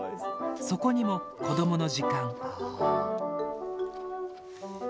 そこにも、「子どもの時間」。